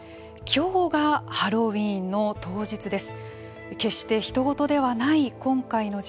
今日がハロウィーンの当日です。